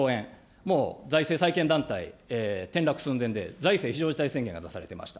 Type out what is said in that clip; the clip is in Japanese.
もう財政再建団体転落寸前で、財政非常事態宣言が出されていました。